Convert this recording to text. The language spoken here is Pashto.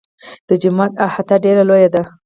د جومات احاطه ډېره لویه ده.